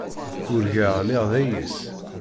Urgaɣ lliɣ d ayis.